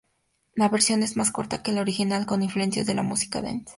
La versión es más corta que la original con influencias de la música "dance".